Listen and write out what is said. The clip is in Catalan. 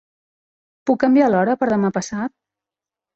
Puc canviar l'hora per demà passat?